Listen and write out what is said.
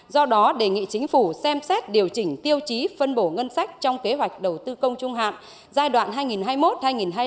do đó đề nghị chính phủ xem xét điều chỉnh tiêu chí phân bổ ngân sách trong kế hoạch đầu tư công trung hạn giai đoạn hai nghìn hai mươi một hai nghìn hai mươi năm